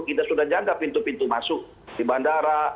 kita sudah jaga pintu pintu masuk di bandara